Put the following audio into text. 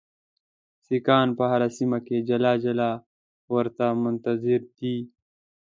سیکهان په هره سیمه کې جلا جلا ورته منتظر دي.